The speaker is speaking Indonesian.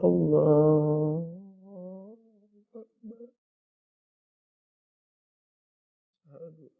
ya allah ya allah